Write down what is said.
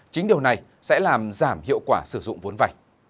chính điều này sẽ làm giảm hiệu quả sử dụng vốn vảy